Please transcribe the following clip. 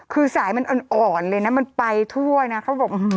คือน้องมันอ่อนแล้วมันไปทั่วน่ะ